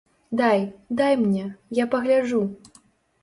Дай, дай мне, я пагляджу.